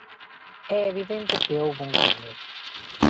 É evidente que houbo un cambio.